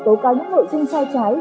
tố cáo những nội dung sai trái